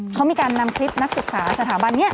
เขามีการนำคลิปนักศึกษาสถาบันนี้